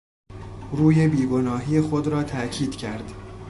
روی بیگناهی خود را تاکید کرد.